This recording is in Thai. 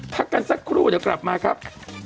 พักกันสักครู่เดี๋ยวกลับมาครับ